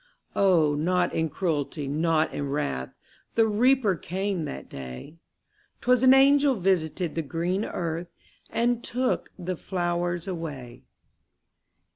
O, not in cruelty, not in wrath, The Reaper came that day; 'Twas an angel visited the green earth, And took the flowers away.